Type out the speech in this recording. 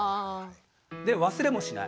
で忘れもしない。